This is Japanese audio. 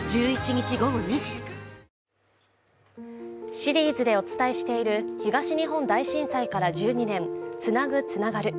シリーズでお伝えしている「東日本大震災１２年つなぐ、つながる」